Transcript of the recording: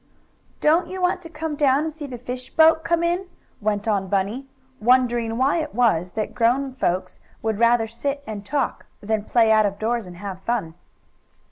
"Don't you want to come down and see the fish boat come in?" went on Bunny, wondering why it was that grown folks would rather sit and talk than play out of doors and have fun.